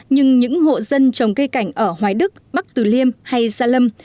nhưng những hộ dân trồng cây cảnh ở hoài đức bắc tử liêm hay gia lâm